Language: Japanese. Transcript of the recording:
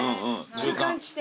中間地点。